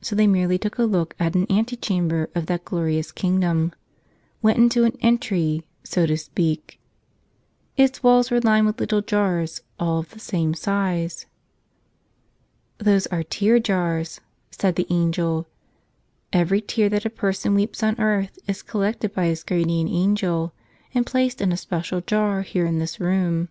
So they merely took a look at an antechamber of that glorious kingdom — went into an entry, so to speak. Its walls were lined with little jars all of the same size. << These are tear jars," said the angel. "Every tear that a person weeps on earth is collected by his guar¬ dian angel and placed in a special jar here in this room."